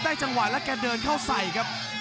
จังหวะแล้วแกเดินเข้าใส่ครับ